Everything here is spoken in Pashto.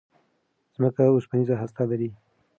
ځمکه اوسپنيزه هسته لري.